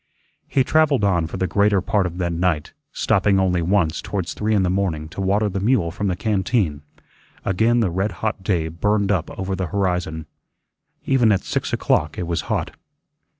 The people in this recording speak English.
He travelled on for the greater part of that night, stopping only once towards three in the morning to water the mule from the canteen. Again the red hot day burned up over the horizon. Even at six o'clock it was hot.